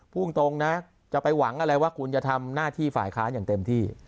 พูดตรงนะจะไปหวังอะไรว่าคุณจะทำหน้าที่ฝ่ายค้านอย่างเต็มที่